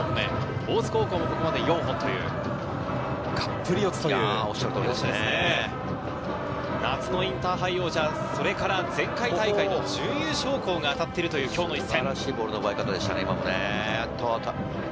大津高校もここまで４本という、がっぷりよつという夏のインターハイ王者、それから前回大会の準優勝校が当たっているという今日の一戦。